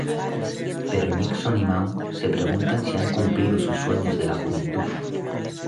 Pero Nixon y Mao se preguntan si han cumplido sus sueños de la juventud.